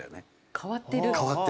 変わってるの。